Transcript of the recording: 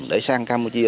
để sang campuchia